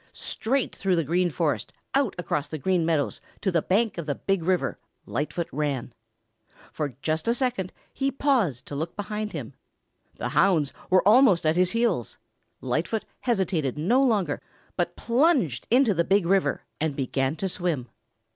Straight through the Green Forest, out across the Green Meadows to the bank of the Big River, Lightfoot ran. For just a second he paused to look behind. The hounds were almost at his heels. Lightfoot hesitated no longer but plunged into the Big River and began to swim.